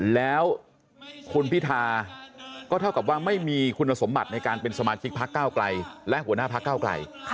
แล้วคุณพิธาก็เท่ากับว่าไม่มีคุณสมบัติในการเป็นสมาชิกพักเก้าไกลและหัวหน้าพักเก้าไกล